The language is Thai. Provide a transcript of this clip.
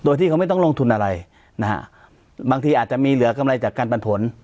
โดยที่เขาไม่ต้องลงทุนอะไรนะฮะบางทีอาจจะมีเหลือกำไรจากการปันผล